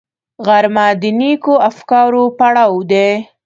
غرمه د نېکو افکارو پړاو دی